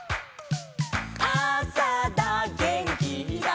「あさだげんきだ」